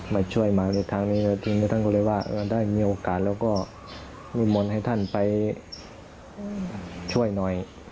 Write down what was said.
มาช่วยมาทางนี้ท่านก็เลยว่าถ้าได้มีโอกาสแล้วก็นิมนต์ให้ท่านไปช่วยหน่อย